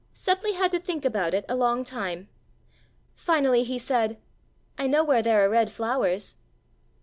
Seppli had to think about it a long time. Finally he said: "I know where there are red flowers."